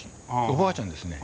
おばあちゃんですね。